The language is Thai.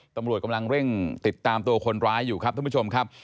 ตำรวจกำลังเร่งติดตามตัวคนร้ายอยู่ครับท่านผู้ชมครับ